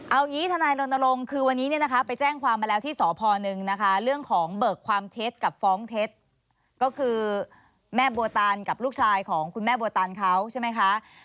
เอางี้ทนายรณรงค์คือวันนี้เนี่ยนะคะไปแจ้งความมาแล้วที่สพหนึ่งนะคะเรื่องของเบิกความเท็จกับฟ้องเท็จก็คือแม่บัวตันกับลูกชายของคุณแม่บัวตันเขาใช่ไหมคะ